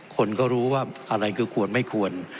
คนก็รู้ว่าอะไรคือควรไม่ควร